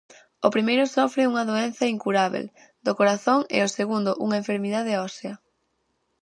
O primeiro sofre unha doenza incurábel do corazón e o segundo unha enfermidade ósea.